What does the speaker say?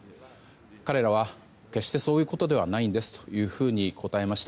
彼らは、決してそういうことではないんですと答えました。